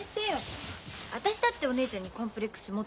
私だってお姉ちゃんにコンプレックス持ってるよ。